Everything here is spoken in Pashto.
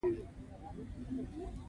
مقناطیس په میخ باندې څو ځلې کش کړئ.